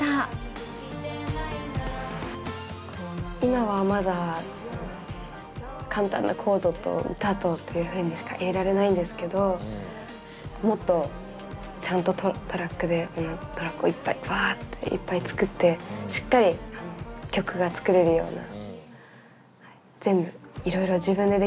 今はまだ簡単なコードと歌とっていうふうにしか入れられないんですけどもっとちゃんとトラックでトラックをいっぱいバッといっぱい作ってしっかり曲が作れるような。